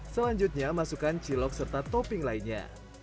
selanjutnya masukkan cilok serta topping lainnya